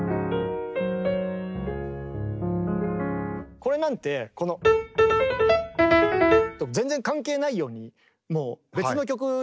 これなんてこの。と全然関係ないようにもう別の曲に感じますよね。